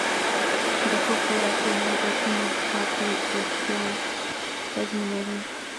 د ښه خوراکي عادتونو ساتل روغتیا تضمینوي.